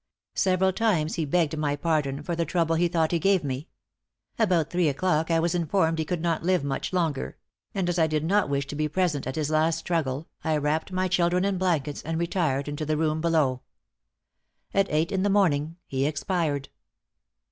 Several times he begged my pardon for the trouble he thought he gave me. About three o'clock I was informed he could not live much longer; and as I did not wish to be present at his last struggle, I wrapped my children in blankets, and retired into the room below. At eight in the morning he expired."